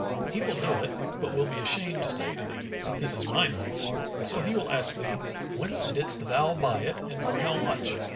He will know it, but will be ashamed to say to thee, 'This is my knife;' so he will ask thee, 'Whence didst thou buy it and for how much?'